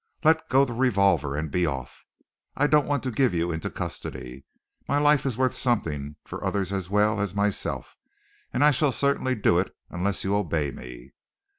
Let go the revolver and be off. I don't want to give you into custody my life is worth something for others as well as myself and I shall certainly do it unless you obey me."